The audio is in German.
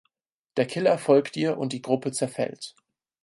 Der Killer folgt ihr und die Gruppe zerfällt.